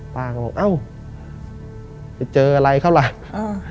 ป้าก็บอกเอ้าจะเจออะไรเข้าหลัง